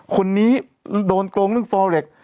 คนนี้โดนโกงเรื่องฟอเล็ก